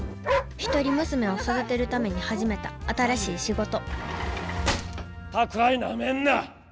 １人娘を育てるために始めた新しい仕事宅配なめんな！